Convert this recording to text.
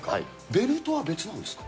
ベルトは別なんですか？